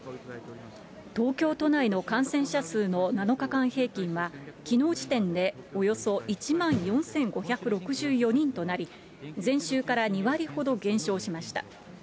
東京都内の感染者数の７日間平均は、きのう時点でおよそ１万４５６４人となり、前週から２割ほど減少しました。